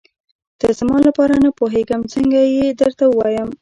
ته زما لپاره نه پوهېږم څنګه یې درته ووايم.